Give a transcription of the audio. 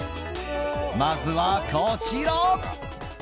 まずはこちら。